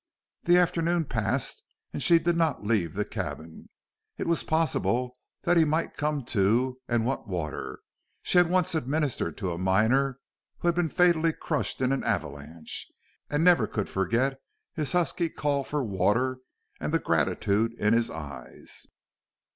The afternoon passed and she did not leave the cabin. It was possible that he might come to and want water. She had once administered to a miner who had been fatally crushed in an avalanche; and never could forget his husky call for water and the gratitude in his eyes.